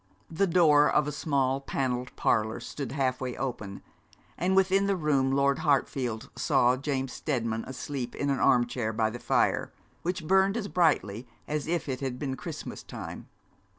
The door of a small panelled parlour stood half way open; and within the room Lord Hartfield saw James Steadman asleep in an arm chair by the fire, which burned as brightly as if it had been Christmas time.